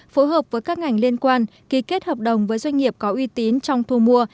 phối hợp với các ngành liên quan ký kết hợp đồng với doanh nghiệp có uy tín trong thu mua